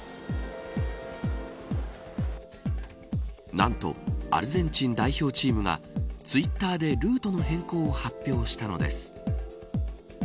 なんとアルゼンチン代表チームがツイッターでルートの変更を発表したのです。